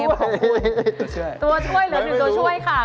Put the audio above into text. วิ่งตัวช่วยชื่อตัวช่วยค่ะ